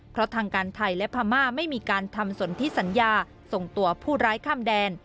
เพราะทางการไทยและพม่าไม่มีการทำสนทิสัญญาส่งตัวผู้ร้ายข้ามแดน